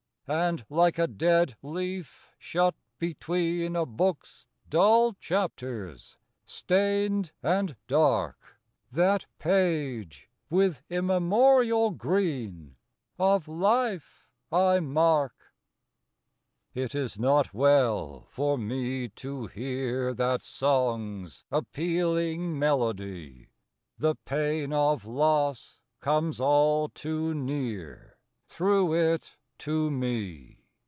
And like a dead leaf shut between A book's dull chapters, stained and dark, That page, with immemorial green, Of life I mark. II. It is not well for me to hear That song's appealing melody: The pain of loss comes all too near, Through it, to me.